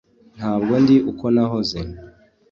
ntabwo ndi uko nahoze.